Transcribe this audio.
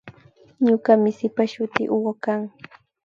Ñuka misipa shuti Hugo kan